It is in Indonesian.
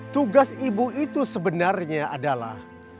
tugas ibu itu sebenarnya adalah